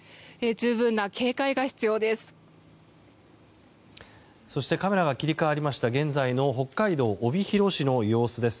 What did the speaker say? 十分な警戒が必要です。